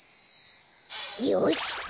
よし！